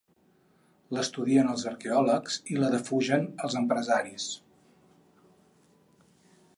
L'estudien els arqueòlegs i la defugen els empresaris.